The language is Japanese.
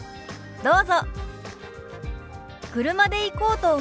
どうぞ。